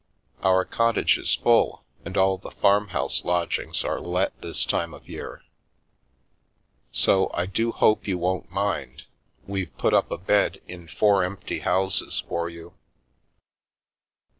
Our cottage is full, and all the farmhouse lodgings are let this time of year. So — I do hope you won't mind — we've put up a bed in four empty houses for you."